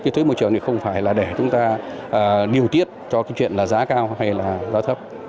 thuế môi trường thì không phải là để chúng ta điều tiết cho cái chuyện là giá cao hay là giá thấp